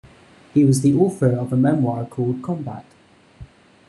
He was the author of a memoir called "Combat".